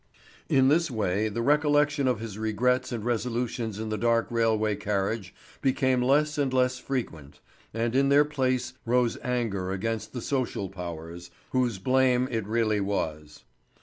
In this way the recollection of his regrets and resolutions in the dark railway carriage became less and less frequent, and in their place rose anger against the social powers, whose the blame really was.